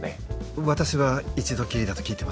私は一度きりだと聞いてますが。